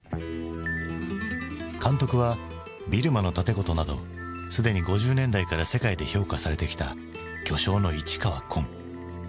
監督は「ビルマの竪琴」などすでに５０年代から世界で評価されてきた巨匠の市川崑。